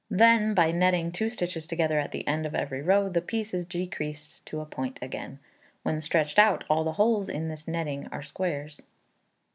Then, by netting two stitches together at the end of every row, the piece is decreased to a point again. When stretched out, all the holes in this netting are squares.